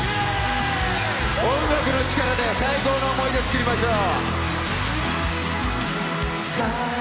音楽の力で最高の思い出作りましょう。